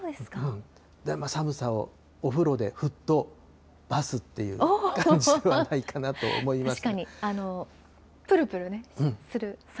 寒さをお風呂で、ふっとばすっていう感じではないかと思います。